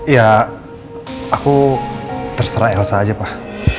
ya aku terserah elsa aja pak